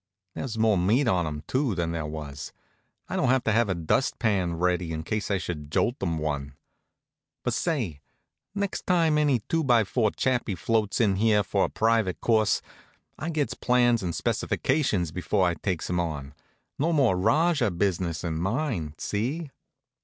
There's more meat on him, too, than there was. I don't have to have a dustpan ready, in case I should jolt him one. But say, next time any two by four chappy floats in here for a private course, I gets plans and specifications before I takes him on. No more Rajah business in mine. See?